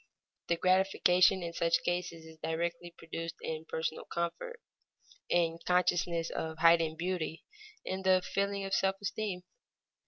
The gratification in such cases is directly produced in personal comfort, in the consciousness of heightened beauty, in the feeling of self esteem.